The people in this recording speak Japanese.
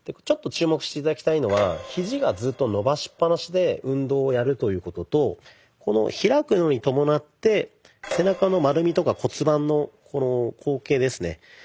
ちょっと注目して頂きたいのはひじがずっと伸ばしっぱなしで運動をやるということとこの開くのに伴って背中の丸みとか骨盤のこの後傾ですね